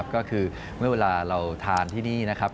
ก็คือเมื่อเวลาเราทานที่นี่นะครับ